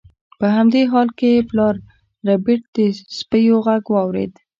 په همدې حال کې پلار ربیټ د سپیو غږ واورید